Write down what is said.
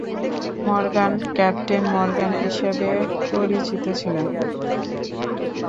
Morgan captain Morgan হিসেবে পরিচিত ছিলেন।